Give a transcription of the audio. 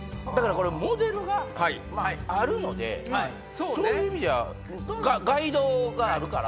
これモデルがあるのでそういう意味じゃガイドがあるから。